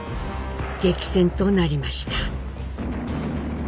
激戦となりました。